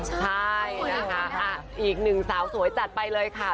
ใช่นะคะอีกหนึ่งสาวสวยจัดไปเลยค่ะ